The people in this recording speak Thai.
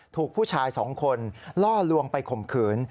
ถูกผู้ชาย๒คนล่อลวงไปข่มขืน